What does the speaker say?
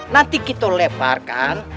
nanti kita leparkan